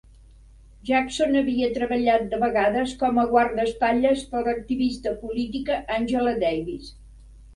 Jackson havia treballat de vegades com a guardaespatlles per a l'activista política Angela Davis.